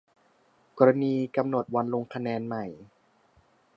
กรณีกำหนดวันลงคะแนนใหม่